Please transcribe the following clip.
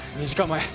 ２時間前。